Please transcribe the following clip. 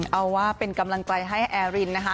เอาว่าเป็นกำลังใจให้แอรินนะคะ